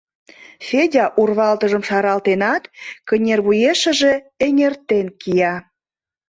Федя урвалтыжым шаралтенат, кынервуешыже эҥертен кия.